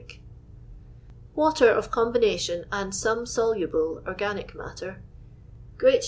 No. 7. Water of combination and some soluble organic matter Silica .